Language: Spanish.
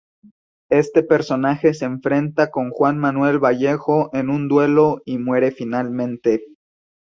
Este personaje se enfrenta con Juan Manuel Vallejo en un duelo y muere finalmente.